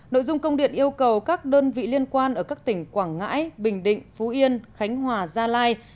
nội dung công điện yêu cầu các đơn vị liên quan ở các tỉnh quảng ngãi bình định phú yên khánh hòa gia lai